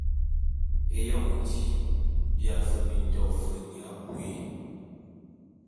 Eyon ji bia fe bi nto fe nya abuii.